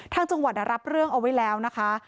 ทางจังหวัดรับเรื่องเอาไว้แล้วนะคะ